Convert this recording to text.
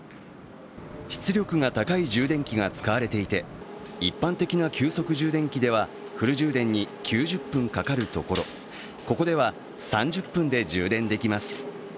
出力が高い充電器が使われていて、一般的な急速充電器ではフル充電に９０分かかるところ、ここでは３０分で充電できます。